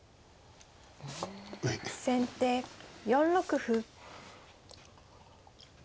先手４六歩。